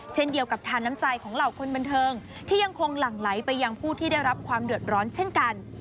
เช่นเดียวกับทานน้ำใจของเหล่าคนบันเทิงที่ยังคงหลั่งไหลไปยังผู้ที่ได้รับความเดือดร้อนเช่นกัน